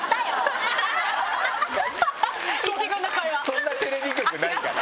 そんなテレビ局ないから。